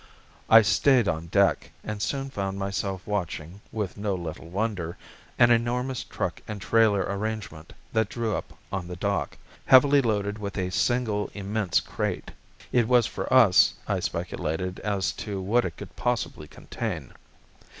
I stayed on deck and soon found myself watching, with no little wonder, an enormous truck and trailer arrangement that drew up on the dock heavily loaded with a single immense crate. It was for us. I speculated as to what it could possibly contain.